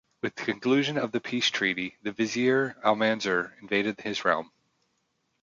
With the conclusion of the peace treaty, the vizier Almanzor invaded his realm.